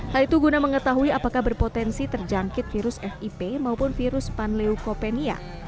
hal itu guna mengetahui apakah berpotensi terjangkit virus fip maupun virus panleucopenia